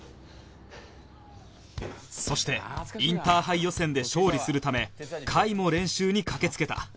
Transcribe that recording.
そしてインターハイ予選で勝利するため甲斐も練習に駆けつけた